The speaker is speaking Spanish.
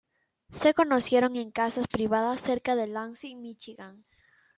Se conocieron en casas privadas cerca de Lansing, Michigan.